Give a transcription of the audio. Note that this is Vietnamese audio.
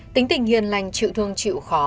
tính tình hiền lành chịu thương chịu khó